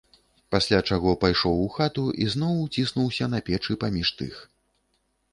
Пасля чаго пайшоў у хату і зноў уціснуўся на печы паміж тых.